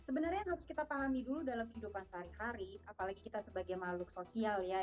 sebenarnya yang harus kita pahami dulu dalam kehidupan sehari hari apalagi kita sebagai makhluk sosial ya